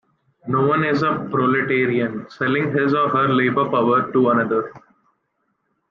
No-one is a proletarian, selling his or her labor power to another.